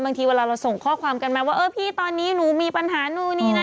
บางทีเวลาเราส่งข้อความกันมาว่าพี่ตอนนี้หนูมีปัญหาหนูนี่นะ